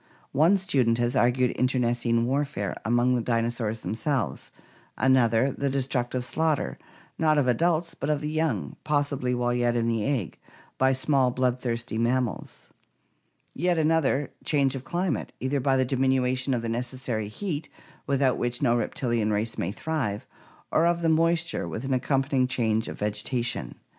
One student has argued internecine warfare amongst the dinosaurs themselves; another, the destructive slaughter, not of adults but of the young, possibly while yet in the egg, by small bloodthirsty mammals; yet another, change of climate, either by* the diminution of the necessary heat without which no reptilian race may thrive, or of the moisture with an accompanying change of vegetation.